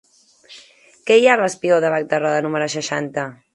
Què hi ha al espigó de Bac de Roda número seixanta?